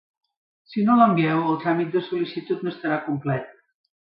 Si no l'envieu, el tràmit de sol·licitud no estarà complet.